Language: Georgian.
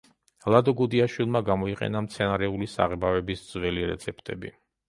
ლადო გუდიაშვილმა გამოიყენა მცენარეული საღებავების ძველი რეცეპტები.